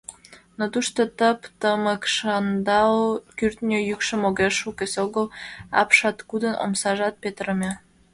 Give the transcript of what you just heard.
Но тушто тып-тымык, шандал кӱртньӧ йӱкшым огеш лук, эсогыл апшаткудын омсажат петырыме.